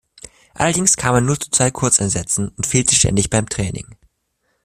Allerdings kam er nur zu zwei Kurzeinsätzen und fehlte ständig beim Training.